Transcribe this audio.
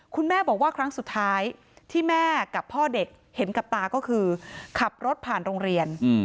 คุณแม่บอกว่าครั้งสุดท้ายที่แม่กับพ่อเด็กเห็นกับตาก็คือขับรถผ่านโรงเรียน